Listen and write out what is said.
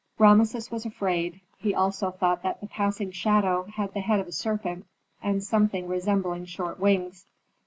Rameses was afraid; he also thought that the passing shadow had the head of a serpent, and something resembling short wings.